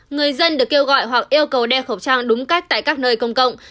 người dân được kêu gọi hoặc yêu cầu đeo khẩu trang đúng cách tại các nơi công cộng